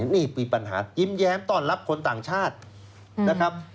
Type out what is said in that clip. นี่มีปัญหายิ้มแย้มต้อนรับคนต่างชาตินะครับ